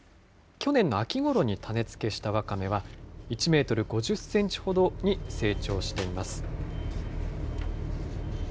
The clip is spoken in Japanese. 去年の秋ごろに種付けしたワカメは、１メートル５０センチほどに成長しています。